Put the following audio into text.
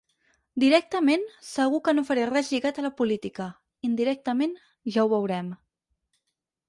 Directament, segur que no faré res lligat a la política; indirectament, ja ho veurem.